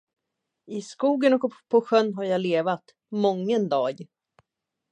I skogen och på sjön har jag levat Mången dag.